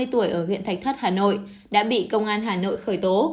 ba mươi tuổi ở huyện thạch thất hà nội đã bị công an hà nội khởi tố